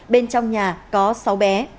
bên trong nhà có sáu bé